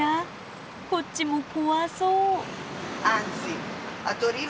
こっちも怖そう。